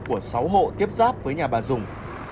của sáu hộ tiếp giáp với nhà bà dũng